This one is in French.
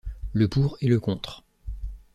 Le pour et le contre